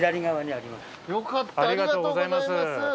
ありがとうございます。